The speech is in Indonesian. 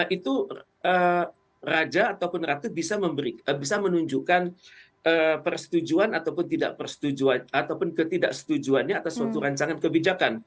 itu raja ataupun ratu bisa menunjukkan persetujuan ataupun ketidaksetujuannya atas suatu rancangan kebijakan